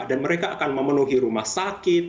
dan mereka akan memenuhi rumah sakit